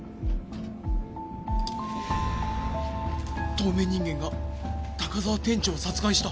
透明人間が高沢店長を殺害した。